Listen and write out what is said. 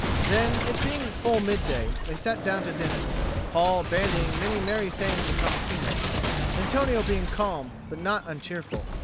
Then, it being full mid day, they sat down to dinner, Paul bandying many merry sayings with Tommasino, Antonio being calm but not uncheerful.